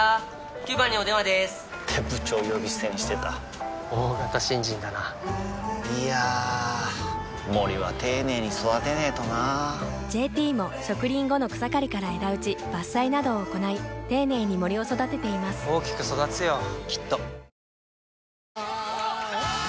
９番にお電話でーす！って部長呼び捨てにしてた大型新人だないやー森は丁寧に育てないとな「ＪＴ」も植林後の草刈りから枝打ち伐採などを行い丁寧に森を育てています大きく育つよきっとあーーー！